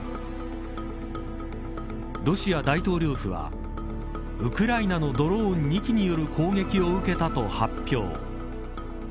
ロシア大統領府はウクライナのドローン２機による攻撃を受けたと発表。